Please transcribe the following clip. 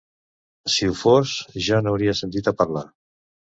Si ho fos, ja n'hauria sentit a parlar.